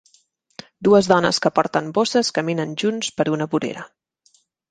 Dues dones que porten bosses caminen junts per una vorera.